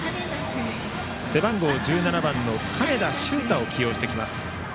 背番号１７番の金田珠太を起用してきます。